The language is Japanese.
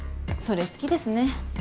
それ好きですね。